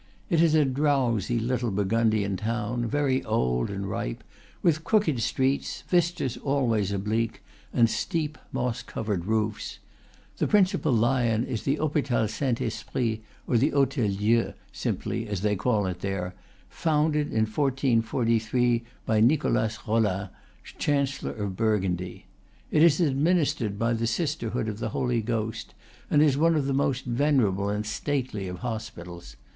It is a drowsy little Burgundian town, very old and ripe, with crooked streets, vistas always ob lique, and steep, moss covered roofs. The principal lion is the Hopital Saint Esprit, or the Hotel Dieu, simply, as they call it there, founded in 1443 by Nicholas Rollin, Chancellor of Burgundy. It is ad ministered by the sisterhood of the Holy Ghost, and is one of the most venerable and stately of hospitals.